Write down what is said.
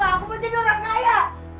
aku mau jadi orang kaya